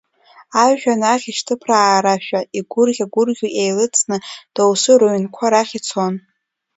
Ажәҩан ахь ишьҭыԥраарашәа, игәырӷьа-гәырӷьо еилыҵны, доусы рыҩнқәа рахь ицон.